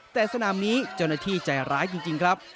แต่สนามนี้เจ้าหน้าที่ใจร้ายจริงครับ